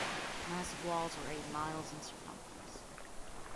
Massive walls were eight miles in circumference.